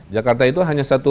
jakarta itu hanya satu